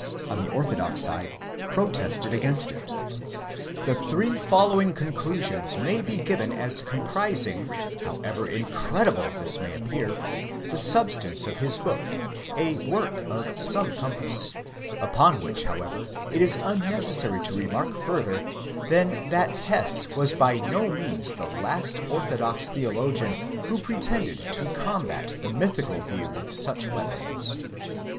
on the orthodox side, protested against it. 'The three following conclusions may be given as comprising, however incredible this may appear, the sub stance of his book, a work of some compass ; upon which however it is un necessary to remark further than that Hess was by no means the last orthodox theologian who pretended to combat the mythical view with such weapons.